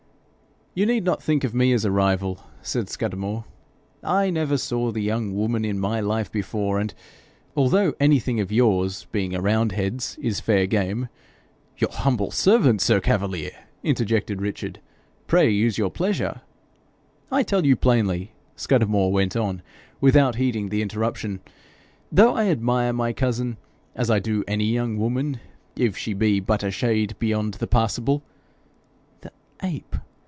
'You need not think of me as a rival,' said Scudamore. 'I never saw the young woman in my life before, and although anything of yours, being a roundhead's, is fair game ' 'Your humble servant, sir Cavalier!' interjected Richard. 'Pray use your pleasure.' 'I tell you plainly,' Scudamore went on, without heeding the interruption, 'though I admire my cousin, as I do any young woman, if she be but a shade beyond the passable ' 'The ape!